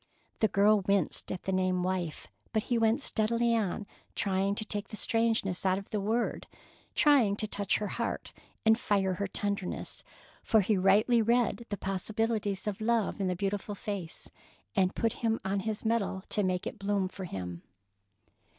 The girl winced at the name "wife," but he went steadily on trying to take the strangeness out of the word, trying to touch her heart and fire her tenderness; for he rightly read the possibilities of love in the beautiful face, and it put him on his mettle to make it bloom for him.